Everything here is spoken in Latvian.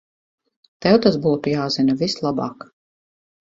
Tev tas būtu jāzina vislabāk.